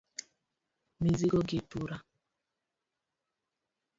Mizigo gi tura